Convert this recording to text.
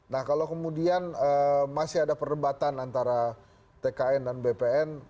nah kalau kemudian masih ada perdebatan antara tkn dan bpn